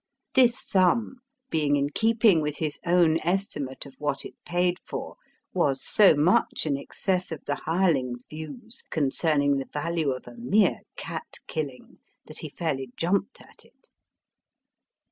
This sum being in keeping with his own estimate of what it paid for was so much in excess of the hireling's views concerning the value of a mere cat killing that he fairly jumped at it.